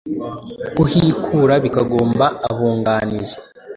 kuhikura bikagomba abunganizi.